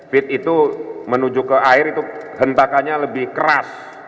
feed itu menuju ke air itu hentakannya lebih keras